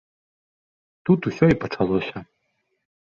Тут усё і пачалося.